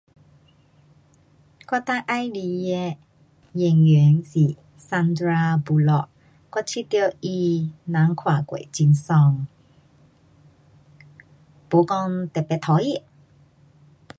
我最喜欢的演员是 Sundra Bullock 我觉得她人看过去很爽。没讲特别讨厌。